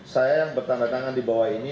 saya yang bertandatangan di bawah ini